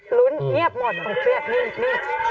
ดูรุ่นเงียบหมดต่างเกลียดนี่